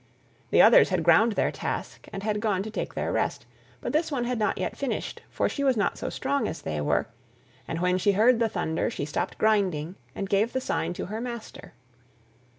The others had ground their task and had gone to take their rest, but this one had not yet finished, for she was not so strong as they were, and when she heard the thunder she stopped grinding and gave the sign to her master.